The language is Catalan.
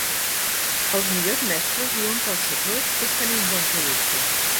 Els millors mestres diuen que el secret és tenir un bon producte.